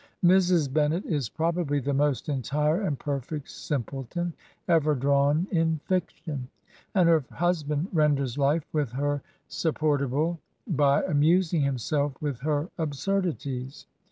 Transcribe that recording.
Mrs. Bennet is probab ly the most enti3]e,jLnd^gaiect si mpleton ever 'drawn in fiction, and her husban3 renders lile^ith her support^ aWe b y am using llimseff^with' ' "Her absurdities.